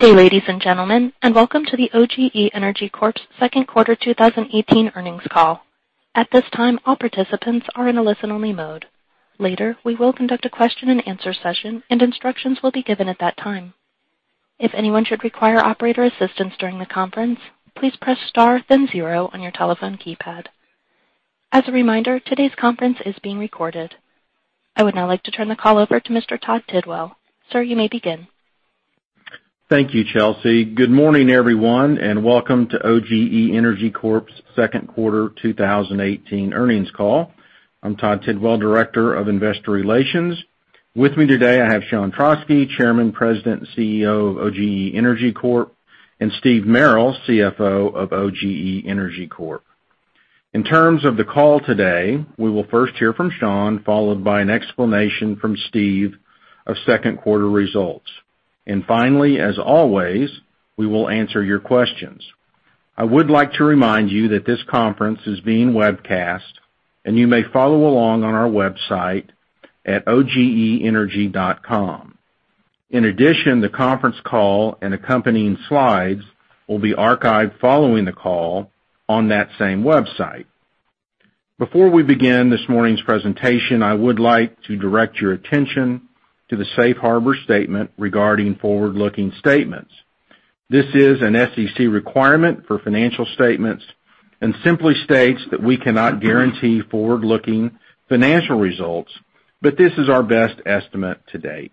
Good day, ladies and gentlemen, and welcome to the OGE Energy Corp.'s second quarter 2018 earnings call. At this time, all participants are in a listen-only mode. Later, we will conduct a question and answer session, and instructions will be given at that time. If anyone should require operator assistance during the conference, please press star then zero on your telephone keypad. As a reminder, today's conference is being recorded. I would now like to turn the call over to Mr. Todd Tidwell. Sir, you may begin. Thank you, Chelsea. Good morning, everyone, and welcome to OGE Energy Corp.'s second quarter 2018 earnings call. I'm Todd Tidwell, Director of Investor Relations. With me today, I have Sean Trauschke, Chairman, President, CEO of OGE Energy Corp., and Steve Merrill, CFO of OGE Energy Corp. In terms of the call today, we will first hear from Sean, followed by an explanation from Steve of second quarter results. Finally, as always, we will answer your questions. I would like to remind you that this conference is being webcast, and you may follow along on our website at oge.com. In addition, the conference call and accompanying slides will be archived following the call on that same website. Before we begin this morning's presentation, I would like to direct your attention to the safe harbor statement regarding forward-looking statements. This is an SEC requirement for financial statements and simply states that we cannot guarantee forward-looking financial results, but this is our best estimate to date.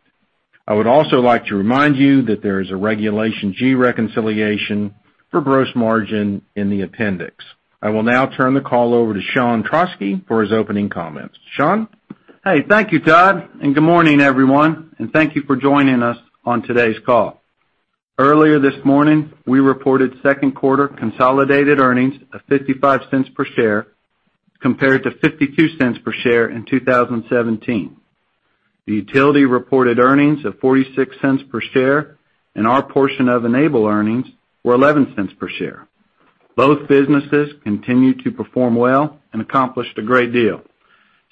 I would also like to remind you that there is a Regulation G reconciliation for gross margin in the appendix. I will now turn the call over to Sean Trauschke for his opening comments. Sean? Hey, thank you, Todd, and good morning, everyone, and thank you for joining us on today's call. Earlier this morning, we reported second quarter consolidated earnings of $0.55 per share compared to $0.52 per share in 2017. The utility reported earnings of $0.46 per share, and our portion of Enable earnings were $0.11 per share. Both businesses continued to perform well and accomplished a great deal.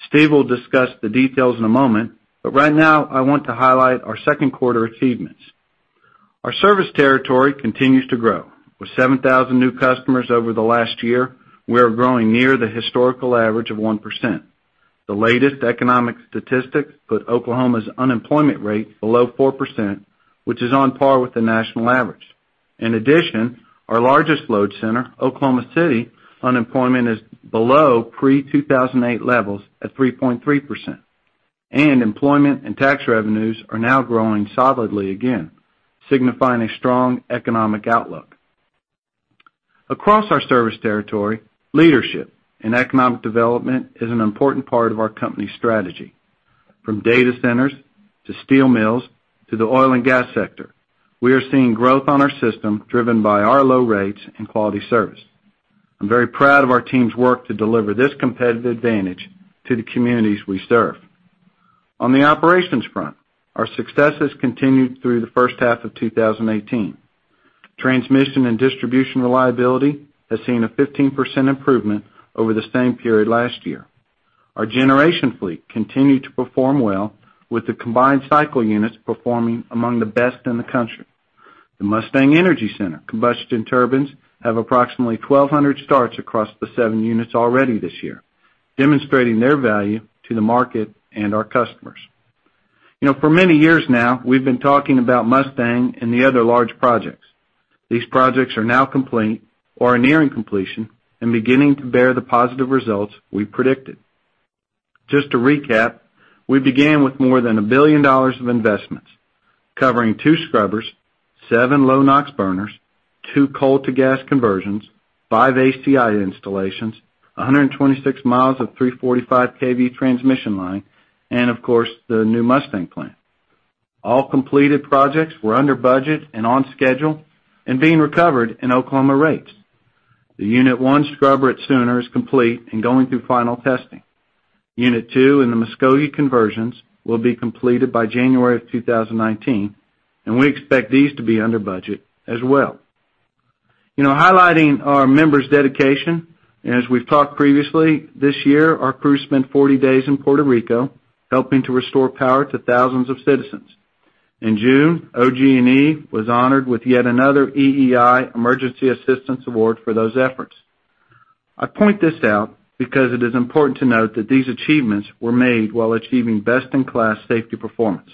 Steve will discuss the details in a moment, but right now I want to highlight our second-quarter achievements. Our service territory continues to grow. With 7,000 new customers over the last year, we are growing near the historical average of 1%. The latest economic statistics put Oklahoma's unemployment rate below 4%, which is on par with the national average. In addition, our largest load center, Oklahoma City, unemployment is below pre-2008 levels at 3.3%, and employment and tax revenues are now growing solidly again, signifying a strong economic outlook. Across our service territory, leadership and economic development is an important part of our company's strategy. From data centers to steel mills to the oil and gas sector, we are seeing growth on our system driven by our low rates and quality service. I'm very proud of our team's work to deliver this competitive advantage to the communities we serve. On the operations front, our successes continued through the first half of 2018. Transmission and distribution reliability has seen a 15% improvement over the same period last year. Our generation fleet continued to perform well with the combined cycle units performing among the best in the country. The Mustang Energy Center combustion turbines have approximately 1,200 starts across the 7 units already this year, demonstrating their value to the market and our customers. For many years now, we've been talking about Mustang and the other large projects. These projects are now complete or are nearing completion and beginning to bear the positive results we predicted. Just to recap, we began with more than $1 billion of investments, covering 2 scrubbers, 7 low-NOx burners, 2 coal-to-gas conversions, 5 ACI installations, 126 miles of 345 kV transmission line, and of course, the new Mustang plant. All completed projects were under budget and on schedule and being recovered in Oklahoma rates. The Unit 1 scrubber at Sooner is complete and going through final testing. Unit 2 and the Muskogee conversions will be completed by January 2019, and we expect these to be under budget as well. Highlighting our members' dedication, as we've talked previously, this year our crew spent 40 days in Puerto Rico helping to restore power to thousands of citizens. In June, OG&E was honored with yet another EEI Emergency Assistance Award for those efforts. I point this out because it is important to note that these achievements were made while achieving best-in-class safety performance.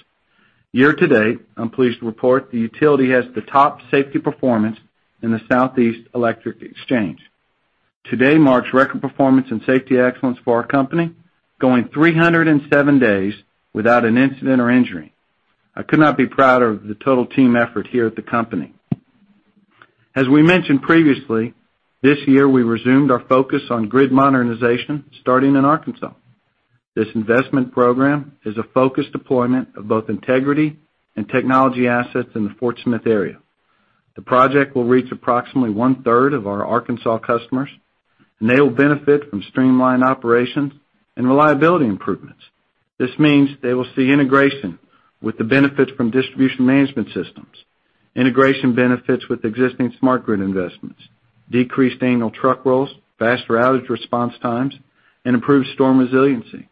Year to date, I'm pleased to report the utility has the top safety performance in the Southeastern Electric Exchange. To date marks record performance and safety excellence for our company, going 307 days without an incident or injury. I could not be prouder of the total team effort here at the company. As we mentioned previously, this year we resumed our focus on grid modernization, starting in Arkansas. This investment program is a focused deployment of both integrity and technology assets in the Fort Smith area. The project will reach approximately one-third of our Arkansas customers, and they will benefit from streamlined operations and reliability improvements. This means they will see integration with the benefits from distribution management systems, integration benefits with existing smart grid investments, decreased annual truck rolls, faster outage response times, and improved storm resiliency.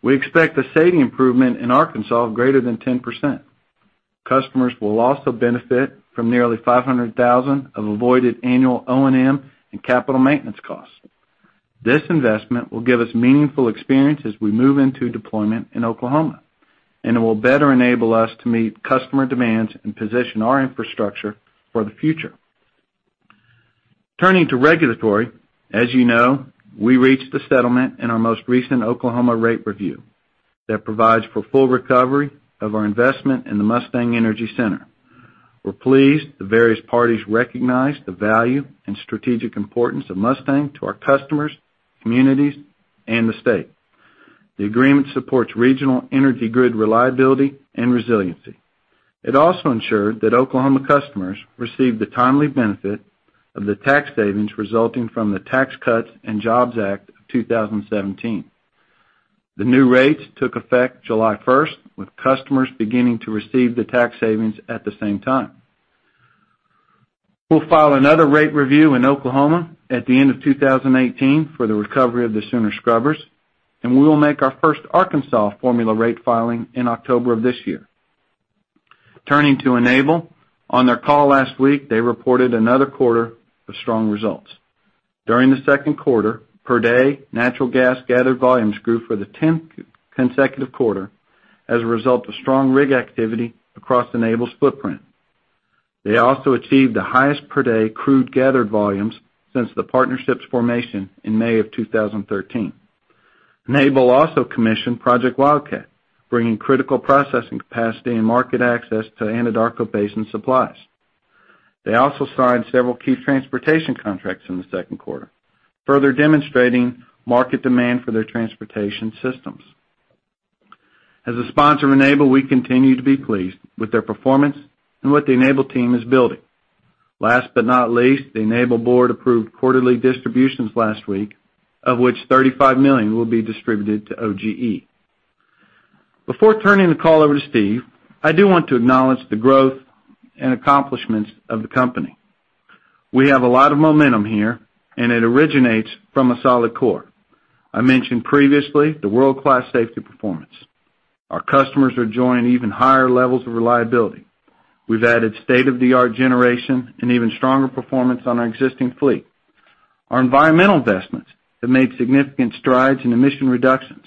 We expect a SAIDI improvement in Arkansas of greater than 10%. Customers will also benefit from nearly $500,000 of avoided annual O&M and capital maintenance costs. This investment will give us meaningful experience as we move into deployment in Oklahoma, and it will better enable us to meet customer demands and position our infrastructure for the future. Turning to regulatory, as you know, we reached the settlement in our most recent Oklahoma rate review that provides for full recovery of our investment in the Mustang Energy Center. We're pleased the various parties recognize the value and strategic importance of Mustang to our customers, communities, and the state. The agreement supports regional energy grid reliability and resiliency. It also ensured that Oklahoma customers received the timely benefit of the tax savings resulting from the Tax Cuts and Jobs Act of 2017. The new rates took effect July 1st, with customers beginning to receive the tax savings at the same time. We'll file another rate review in Oklahoma at the end of 2018 for the recovery of the Sooner Scrubbers, and we will make our first Arkansas formula rate filing in October of this year. Turning to Enable, on their call last week, they reported another quarter of strong results. During the second quarter, per day, natural gas gathered volumes grew for the 10th consecutive quarter as a result of strong rig activity across Enable's footprint. They also achieved the highest per day crude gathered volumes since the partnership's formation in May of 2013. Enable also commissioned Project Wildcat, bringing critical processing capacity and market access to Anadarko Basin supplies. They also signed several key transportation contracts in the second quarter, further demonstrating market demand for their transportation systems. As a sponsor of Enable, we continue to be pleased with their performance and what the Enable team is building. Last but not least, the Enable board approved quarterly distributions last week, of which $35 million will be distributed to OGE. Before turning the call over to Steve, I do want to acknowledge the growth and accomplishments of the company. We have a lot of momentum here, it originates from a solid core. I mentioned previously the world-class safety performance. Our customers are enjoying even higher levels of reliability. We've added state-of-the-art generation and even stronger performance on our existing fleet. Our environmental investments have made significant strides in emission reductions.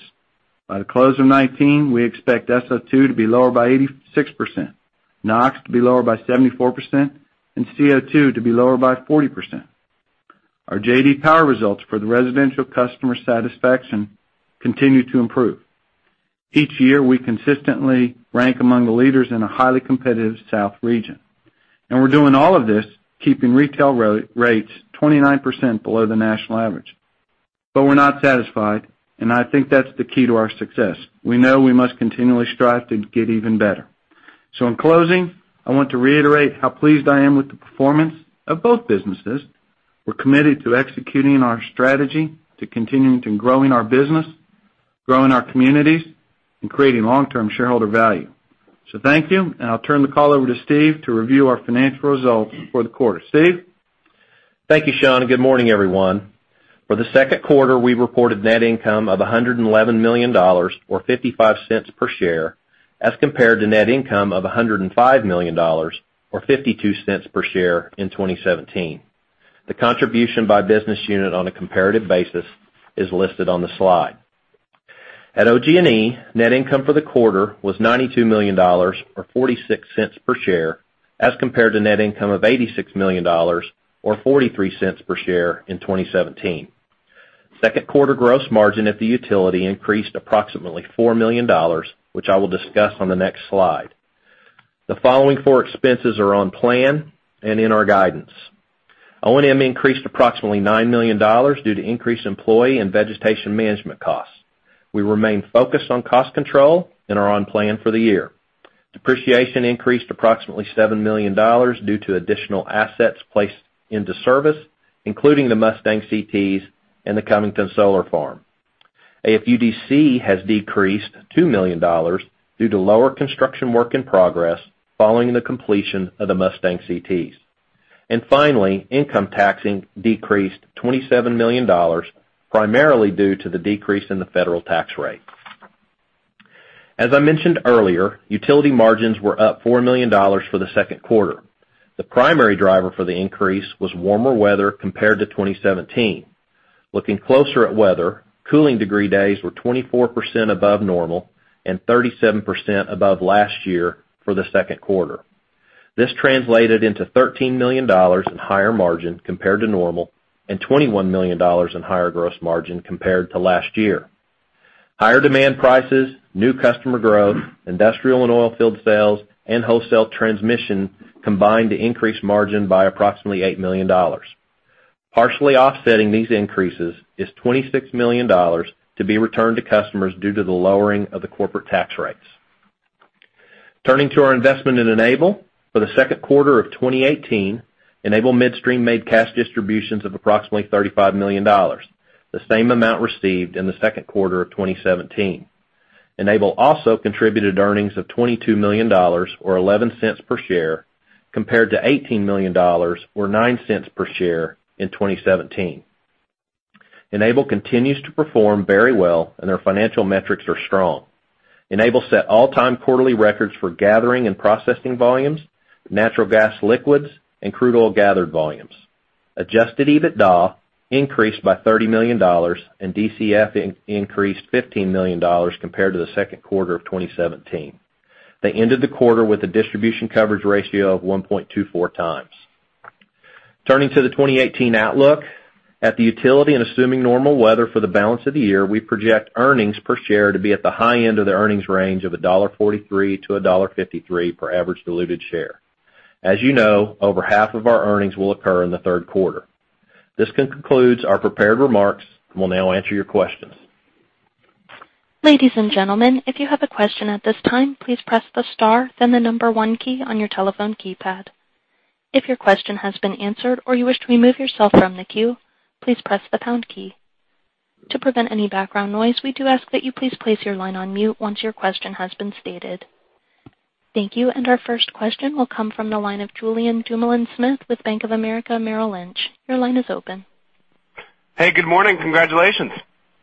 By the close of 2019, we expect SO2 to be lower by 86%, NOx to be lower by 74%, CO2 to be lower by 40%. Our J.D. Power results for the residential customer satisfaction continue to improve. Each year, we consistently rank among the leaders in a highly competitive south region. We're doing all of this keeping retail rates 29% below the national average. We're not satisfied, and I think that's the key to our success. We know we must continually strive to get even better. In closing, I want to reiterate how pleased I am with the performance of both businesses. We're committed to executing our strategy to continuing to growing our business, growing our communities, and creating long-term shareholder value. Thank you, and I'll turn the call over to Steve to review our financial results for the quarter. Steve? Thank you, Sean, and good morning, everyone. For the second quarter, we reported net income of $111 million, or $0.55 per share, as compared to net income of $105 million or $0.52 per share in 2017. The contribution by business unit on a comparative basis is listed on the slide. At OG&E, net income for the quarter was $92 million, or $0.46 per share, as compared to net income of $86 million, or $0.43 per share in 2017. Second quarter gross margin at the utility increased approximately $4 million, which I will discuss on the next slide. The following four expenses are on plan and in our guidance. O&M increased approximately $9 million due to increased employee and vegetation management costs. We remain focused on cost control and are on plan for the year. Depreciation increased approximately $7 million due to additional assets placed into service, including the Mustang CTs and the Covington Solar Farm. AFUDC has decreased $2 million due to lower construction work in progress following the completion of the Mustang CTs. Finally, income taxing decreased $27 million, primarily due to the decrease in the federal tax rate. As I mentioned earlier, utility margins were up $4 million for the second quarter. The primary driver for the increase was warmer weather compared to 2017. Looking closer at weather, cooling degree days were 24% above normal and 37% above last year for the second quarter. This translated into $13 million in higher margin compared to normal and $21 million in higher gross margin compared to last year. Higher demand prices, new customer growth, industrial and oil field sales, and wholesale transmission combined to increase margin by approximately $8 million. Partially offsetting these increases is $26 million to be returned to customers due to the lowering of the corporate tax rates. Turning to our investment in Enable, for the second quarter of 2018, Enable Midstream made cash distributions of approximately $35 million, the same amount received in the second quarter of 2017. Enable also contributed earnings of $22 million, or $0.11 per share. Compared to $18 million, or $0.09 per share in 2017. Enable continues to perform very well, and their financial metrics are strong. Enable set all-time quarterly records for gathering and processing volumes, natural gas liquids, and crude oil gathered volumes. Adjusted EBITDA increased by $30 million, and DCF increased $15 million compared to the second quarter of 2017. They ended the quarter with a distribution coverage ratio of 1.24 times. Turning to the 2018 outlook. At the utility and assuming normal weather for the balance of the year, we project earnings per share to be at the high end of the earnings range of $1.43-$1.53 per average diluted share. As you know, over half of our earnings will occur in the third quarter. This concludes our prepared remarks. We'll now answer your questions. Ladies and gentlemen, if you have a question at this time, please press the star, then the number 1 key on your telephone keypad. If your question has been answered or you wish to remove yourself from the queue, please press the pound key. To prevent any background noise, we do ask that you please place your line on mute once your question has been stated. Thank you. Our first question will come from the line of Julien Dumoulin-Smith with Bank of America Merrill Lynch. Your line is open. Hey. Good morning. Congratulations.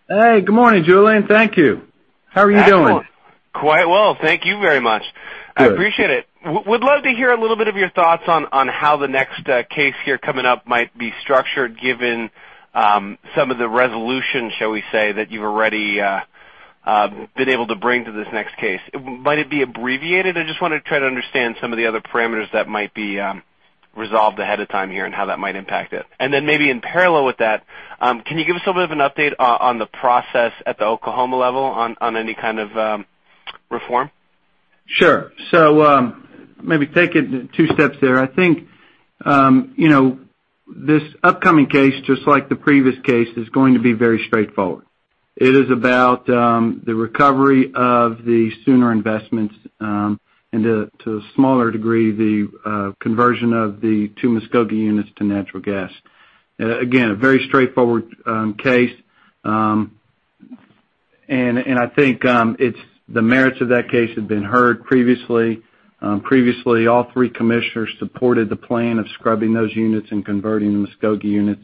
Hey. Good morning, Julien. Thank you. How are you doing? Excellent. Quite well. Thank you very much. Good. I appreciate it. Would love to hear a little bit of your thoughts on how the next case here coming up might be structured, given some of the resolution, shall we say, that you've already been able to bring to this next case. Might it be abbreviated? I just want to try to understand some of the other parameters that might be resolved ahead of time here and how that might impact it. Then maybe in parallel with that, can you give us a bit of an update on the process at the Oklahoma level on any kind of reform? Sure. Maybe take it two steps there. I think, this upcoming case, just like the previous case, is going to be very straightforward. It is about the recovery of the Sooner investments and to a smaller degree, the conversion of the two Muskogee units to natural gas. Again, a very straightforward case. I think the merits of that case have been heard previously. Previously, all three commissioners supported the plan of scrubbing those units and converting the Muskogee units.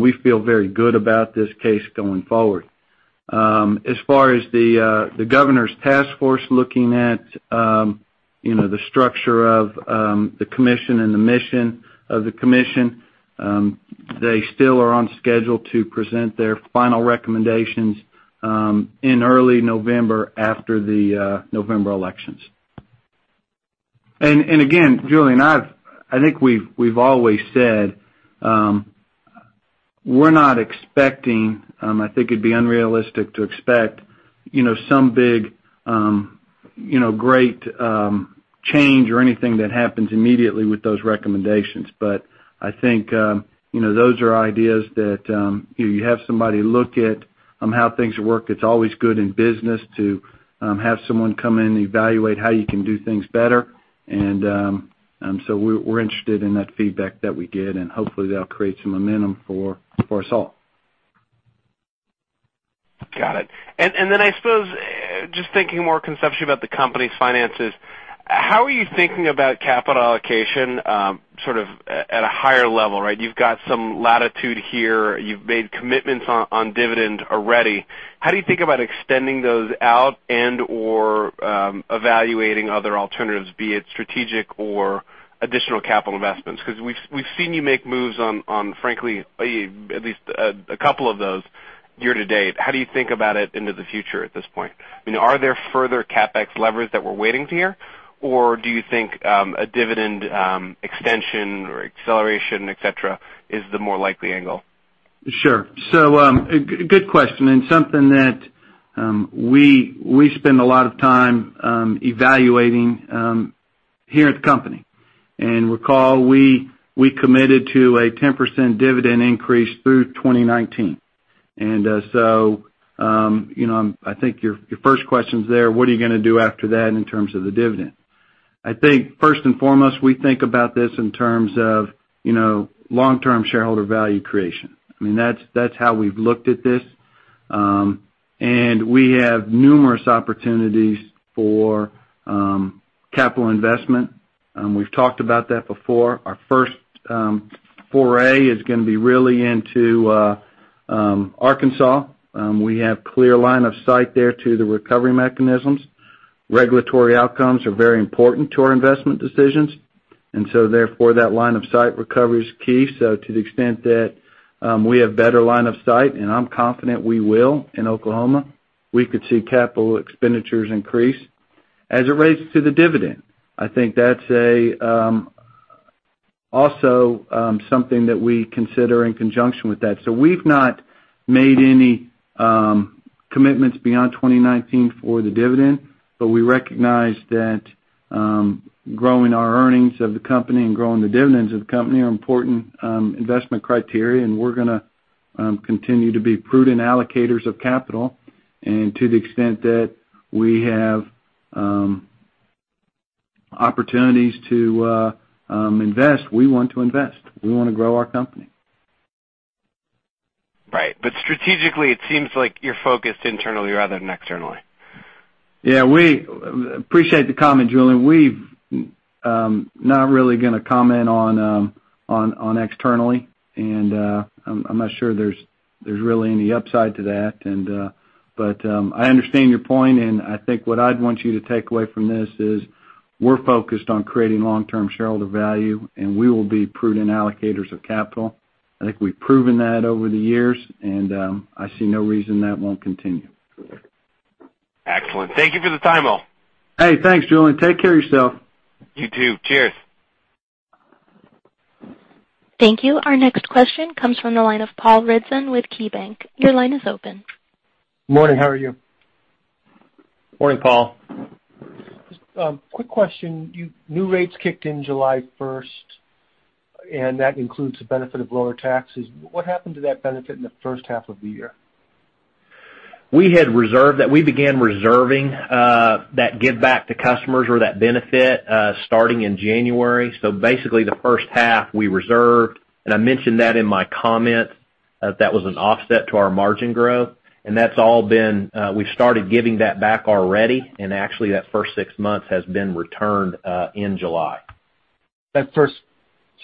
We feel very good about this case going forward. As far as the governor's task force looking at the structure of the commission and the mission of the commission, they still are on schedule to present their final recommendations in early November after the November elections. Again, Julien, I think we've always said, we're not expecting, I think it'd be unrealistic to expect some big great change or anything that happens immediately with those recommendations. I think those are ideas that you have somebody look at how things work. It's always good in business to have someone come in and evaluate how you can do things better. We're interested in that feedback that we get, and hopefully that'll create some momentum for us all. Got it. Then I suppose, just thinking more conceptually about the company's finances, how are you thinking about capital allocation at a higher level, right? You've got some latitude here. You've made commitments on dividend already. How do you think about extending those out and/or evaluating other alternatives, be it strategic or additional capital investments? Because we've seen you make moves on, frankly, at least a couple of those year-to-date. How do you think about it into the future at this point? Are there further CapEx levers that we're waiting to hear? Or do you think a dividend extension or acceleration, et cetera, is the more likely angle? Sure. Good question, and something that we spend a lot of time evaluating here at the company. Recall, we committed to a 10% dividend increase through 2019. I think your first question's there, what are you going to do after that in terms of the dividend? I think first and foremost, we think about this in terms of long-term shareholder value creation. That's how we've looked at this. We have numerous opportunities for capital investment. We've talked about that before. Our first foray is going to be really into Arkansas. We have clear line of sight there to the recovery mechanisms. Regulatory outcomes are very important to our investment decisions, therefore, that line of sight recovery is key. To the extent that we have better line of sight, and I'm confident we will in Oklahoma, we could see capital expenditures increase. As it relates to the dividend, I think that's also something that we consider in conjunction with that. We've not made any commitments beyond 2019 for the dividend, but we recognize that growing our earnings of the company and growing the dividends of the company are important investment criteria, and we're going to continue to be prudent allocators of capital. To the extent that we have opportunities to invest, we want to invest. We want to grow our company. Strategically, it seems like you're focused internally rather than externally. Yeah. We appreciate the comment, Julien. Not really going to comment on externally, and I'm not sure there's really any upside to that. I understand your point, and I think what I'd want you to take away from this is we're focused on creating long-term shareholder value, and we will be prudent allocators of capital. I think we've proven that over the years, and I see no reason that won't continue. Excellent. Thank you for the time, though. Hey, thanks, Julien. Take care of yourself. You, too. Cheers. Thank you. Our next question comes from the line of Paul Ridzon with KeyBank. Your line is open. Morning. How are you? Morning, Paul. Just a quick question. New rates kicked in July 1st. That includes the benefit of lower taxes. What happened to that benefit in the first half of the year? We had reserved that. We began reserving that give back to customers or that benefit, starting in January. Basically, the first half we reserved, I mentioned that in my comment, that was an offset to our margin growth. We've started giving that back already, and actually that first six months has been returned, in July. That first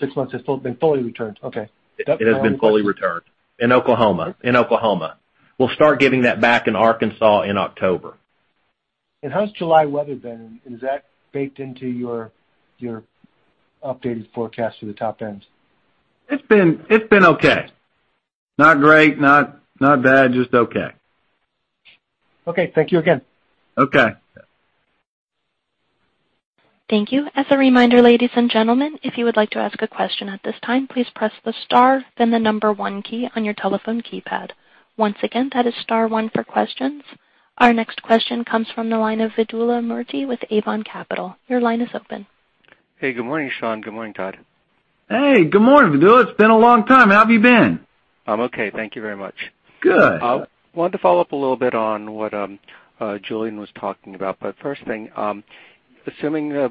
six months has been fully returned. Okay. It has been fully returned. In Oklahoma. We'll start giving that back in Arkansas in October. How's July weather been? Is that baked into your updated forecast for the top end? It's been okay. Not great, not bad, just okay. Okay. Thank you again. Okay. Thank you. As a reminder, ladies and gentlemen, if you would like to ask a question at this time, please press the star then the number one key on your telephone keypad. Once again, that is star one for questions. Our next question comes from the line of Vidula Mirji with Avon Capital. Your line is open. Hey, good morning, Sean. Good morning, Todd. Hey, good morning, Vidula. It's been a long time. How have you been? I'm okay. Thank you very much. Good. I wanted to follow up a little bit on what Julien Dumoulin-Smith was talking about. First thing, assuming the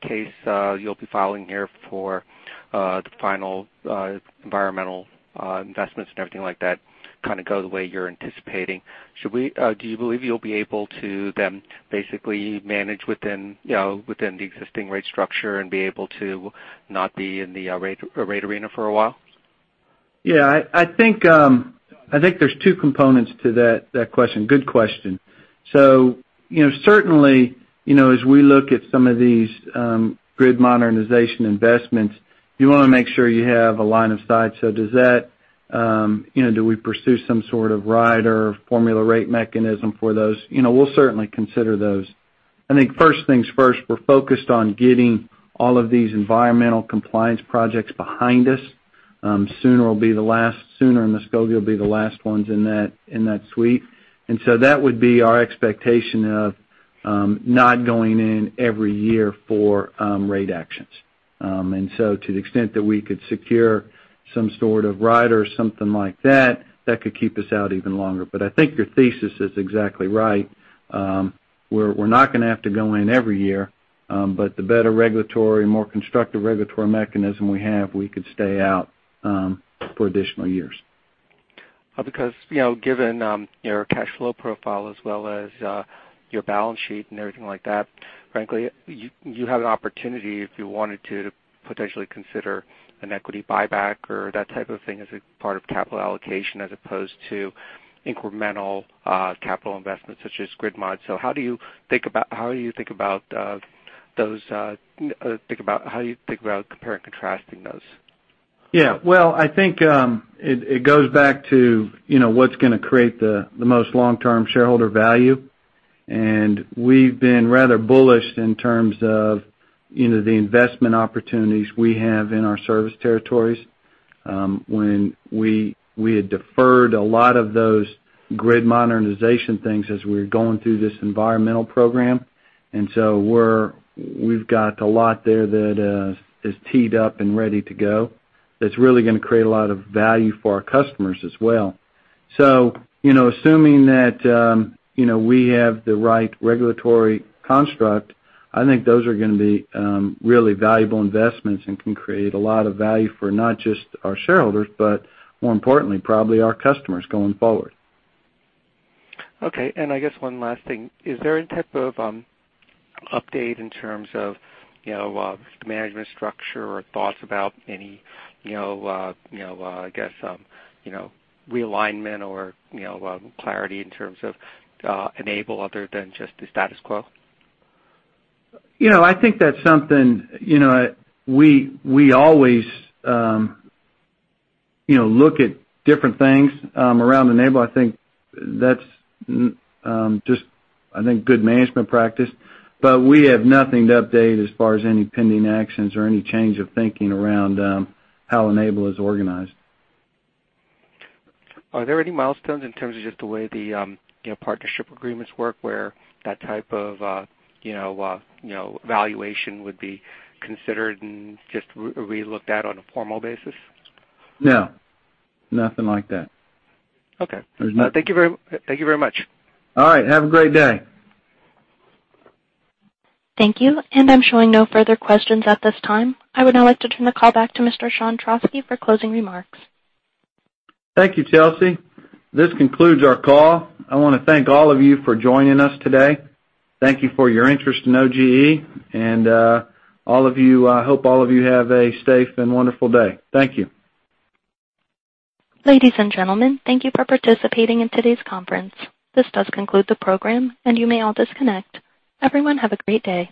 case you'll be filing here for the final environmental investments and everything like that kind of go the way you're anticipating. Do you believe you'll be able to then basically manage within the existing rate structure and be able to not be in the rate arena for a while? Yeah, I think there's two components to that question. Good question. Certainly, as we look at some of these grid modernization investments, you want to make sure you have a line of sight. Do we pursue some sort of rider or formula rate mechanism for those? We'll certainly consider those. I think first things first, we're focused on getting all of these environmental compliance projects behind us. Sooner will be the last. Sooner and Muskogee will be the last ones in that suite. That would be our expectation of not going in every year for rate actions. To the extent that we could secure some sort of rider or something like that could keep us out even longer. I think your thesis is exactly right. We're not going to have to go in every year. The better regulatory, more constructive regulatory mechanism we have, we could stay out for additional years. Given your cash flow profile as well as your balance sheet and everything like that, frankly, you have an opportunity if you wanted to potentially consider an equity buyback or that type of thing as a part of capital allocation as opposed to incremental capital investments such as grid mod. How do you think about those, think about how you think about comparing and contrasting those? Well, I think it goes back to what's going to create the most long-term shareholder value. We've been rather bullish in terms of the investment opportunities we have in our service territories. When we had deferred a lot of those grid modernization things as we were going through this environmental program. We've got a lot there that is teed up and ready to go. That's really going to create a lot of value for our customers as well. Assuming that we have the right regulatory construct, I think those are going to be really valuable investments and can create a lot of value for not just our shareholders, but more importantly, probably our customers going forward. Okay. I guess one last thing. Is there any type of update in terms of the management structure or thoughts about any, I guess, realignment or clarity in terms of Enable other than just the status quo? I think that's something we always look at different things around Enable. I think that's just good management practice. We have nothing to update as far as any pending actions or any change of thinking around how Enable is organized. Are there any milestones in terms of just the way the partnership agreements work where that type of valuation would be considered and just re-looked at on a formal basis? No, nothing like that. Okay. There's not. Thank you very much. All right. Have a great day. Thank you. I'm showing no further questions at this time. I would now like to turn the call back to Mr. Sean Trauschke for closing remarks. Thank you, Chelsea. This concludes our call. I want to thank all of you for joining us today. Thank you for your interest in OGE and I hope all of you have a safe and wonderful day. Thank you. Ladies and gentlemen, thank you for participating in today's conference. This does conclude the program, and you may all disconnect. Everyone, have a great day.